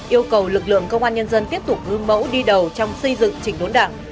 yêu cầu lực lượng công an nhân dân tiếp tục gương mẫu đi đầu trong xây dựng chỉnh đốn đảng